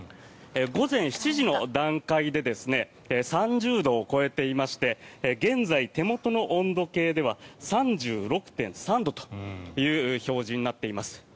午前７時の段階で３０度を超えていまして現在、手元の温度計では３６．３度という表示になっています。